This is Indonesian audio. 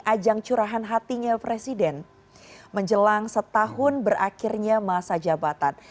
ajang curahan hatinya presiden menjelang setahun berakhirnya masa jabatan